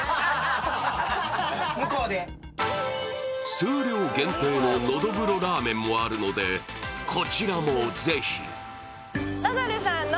数量限定ののどぐろラーメンもあるので、こちらもぜひ。